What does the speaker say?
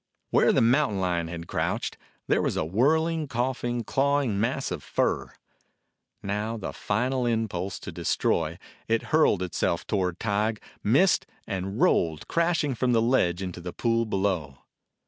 Where the mountain lion had crouched there was a whirling, coughing, clawing mass of fur. Now, with a final impulse to destroy, it hurled itself toward Tige, missed, and rolled, crashing from the ledge into the pool below.